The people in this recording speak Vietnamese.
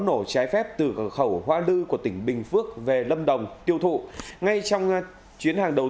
nổ trái phép từ cửa khẩu hoa lư của tỉnh bình phước về lâm đồng tiêu thụ ngay trong chuyến hàng đầu